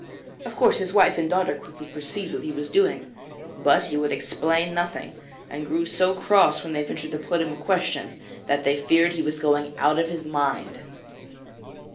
Of course, his wife and daughter quickly perceived what he was doing, but he would explain nothing, and grew so cross when they ventured to put him a question that they feared he was going out of his mind.